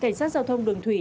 cảnh sát giao thông đường thủy